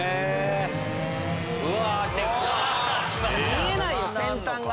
見えないよ先端が。